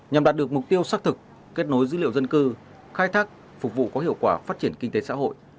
nhằm đạt được mục tiêu xác thực kết nối dữ liệu dân cư khai thác phục vụ có hiệu quả phát triển kinh tế xã hội